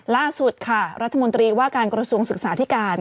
ล่าสุดค่ะรัฐมนตรีว่าการกระทรวงศึกษาธิการ